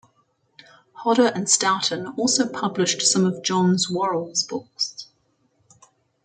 Hodder and Stoughton also published some of Johns' Worrals books.